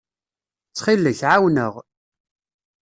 Ttxil-k, ɛawen-aɣ.